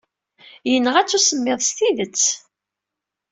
Yenɣa-tt usemmiḍ s tidet.